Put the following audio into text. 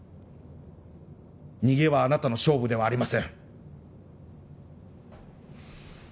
逃げはあなたの勝負ではありません。